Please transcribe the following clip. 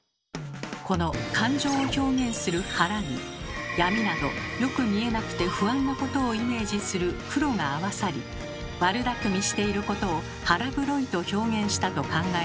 この感情を表現する「腹」に闇などよく見えなくて不安なことをイメージする「黒」が合わさり悪だくみしていることを「腹黒い」と表現したと考えられます。